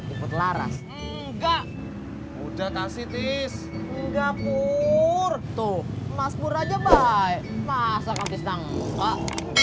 ikut laras enggak udah kasih tis enggak pur tuh mas pur aja baik masa kan tisna enggak